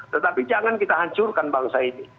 tetapi jangan kita hancurkan bangsa ini